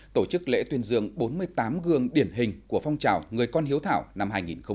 tổ chức lễ tuyên dương bốn mươi tám gương điển hình của phong trào người con hiếu thảo năm hai nghìn một mươi chín